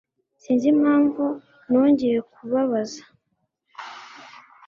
Sinzi impamvu nongeye kubabaza